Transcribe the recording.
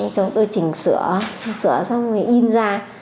chồng tôi chỉnh sửa sửa xong rồi in ra